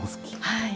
はい。